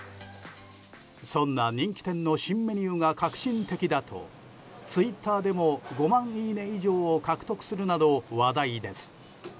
そんな人気店の新メニューが革新的だとツイッターでも５万いいね以上を獲得するなど話題です。